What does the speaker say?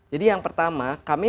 jadi yang pertama kami